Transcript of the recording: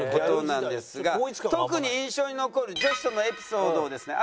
特に印象に残る女子とのエピソードをですね